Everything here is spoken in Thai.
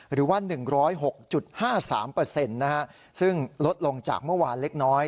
หรือว่า๑๐๖๕๓ซึ่งลดลงจากเมื่อวานเล็กน้อย